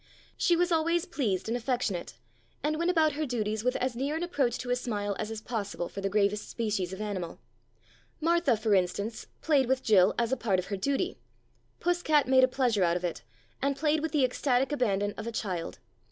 She was always pleased and affectionate, and went about her duties with as near an approach to a smile as is possible for the gravest species of animal. Martha, for instance, played with Jill as a part of her duty, Puss cat made a pleasure out of it and played with the ecstatic abandon of a child.